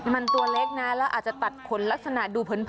มันตัวเล็กนะแล้วอาจจะตัดขนลักษณะดูเผิน